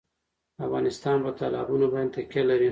افغانستان په تالابونه باندې تکیه لري.